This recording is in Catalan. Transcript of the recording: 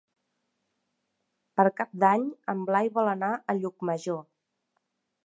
Per Cap d'Any en Blai vol anar a Llucmajor.